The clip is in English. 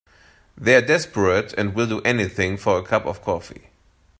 They're desperate and will do anything for a cup of coffee.